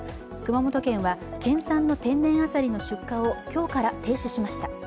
熊本県は県産の天然あさりの出荷を今日から停止しました。